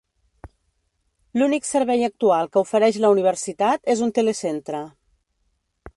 L'únic servei actual que ofereix la universitat és un telecentre.